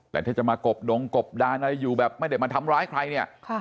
แต่ถ้าจะมากบดงกบดานอะไรอยู่แบบไม่ได้มาทำร้ายใครเนี่ย